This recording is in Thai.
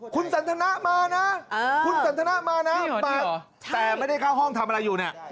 คุณสันทนะมานะคุณสันทนามานะมาแต่ไม่ได้เข้าห้องทำอะไรอยู่เนี่ย